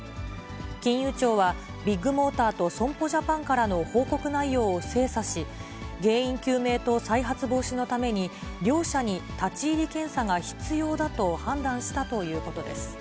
金融庁は、ビッグモーターと損保ジャパンからの報告内容を精査し、原因究明と再発防止のために、両社に立ち入り検査が必要だと判断したということです。